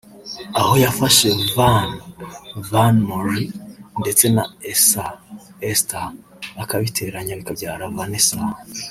aho yafashe Van (Vanhomrigh) ndetse na Essa (Esther) akabiteranya bikabyara Vanessa